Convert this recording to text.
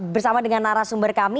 bersama dengan narasumber kami